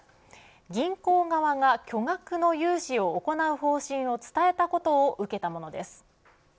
銀行側が巨額の融資を行う方針を伝えたことを受けたものです。